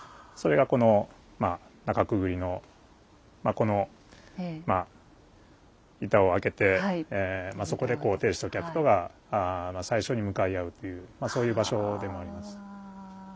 それがこの「中潜り」のこのまあ板を開けてそこでこう亭主と客とが最初に向かい合うっていうそういう場所でもあります。